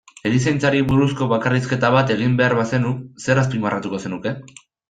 Erizaintzari buruzko bakarrizketa bat egin behar bazenu, zer azpimarratuko zenuke?